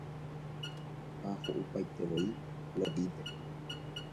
Ha ho'upaitevoi Lovípe.